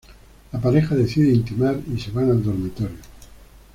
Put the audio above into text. La pareja decide intimar y se van al dormitorio.